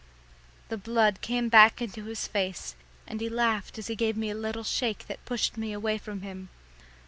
The blood came back into his face, and he laughed as he gave me a little shake that pushed me away from him.